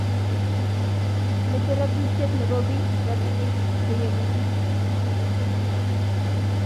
mechei rotutie ne gopi robinik che yamei